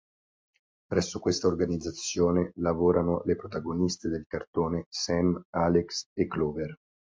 Presso questa organizzazione lavorano le protagoniste del cartone Sam, Alex e Clover.